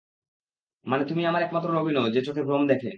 মানে, তুমিই আমার একমাত্র রোগী নও যে চোখে ভ্রম দেখে।